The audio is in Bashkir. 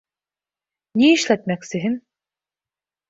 — Ни эшләтмәксеһең?